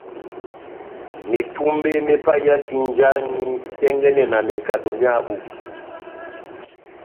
Metumbe me paiyaki njaŋhi itɛ́ngɛ́nɛ mekado myábu.